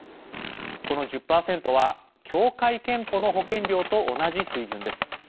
この１０％は協会けんぽの保険料と同じ水準です。